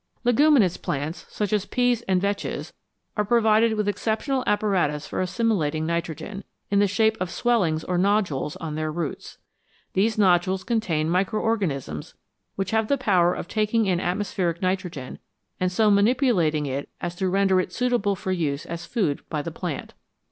Leguminous plants, such as peas and vetches, are provided with exceptional apparatus for assimilating nitrogen, in the shape of swellings or "nodules" on their roots. These nodules contain micro organisms which have the power of taking in atmospheric nitrogen, and so manipulating it as to render it suitable for use as food by the plant.